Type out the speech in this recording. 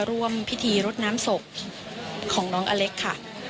ร่วมพิธีรดน้ำศพของน้องอเล็กค่ะ